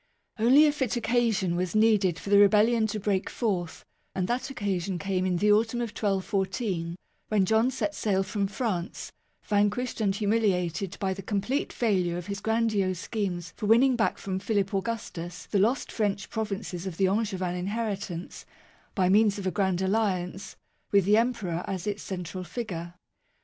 Only a fit occasion was needed for the rebellion to break forth ; and that occasion came in the autumn of 1214, when John set sail from France, vanquished and humiliated by the complete failure of his grandiose schemes for winning back from Philip Augustus the lost French provinces of the Angevin inheritance, by means of a grand alliance, with the Emperor as its central figure.